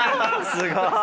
すごい！